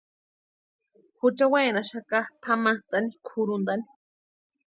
Jucha wenaxaka pʼamantani kʼurhuntani.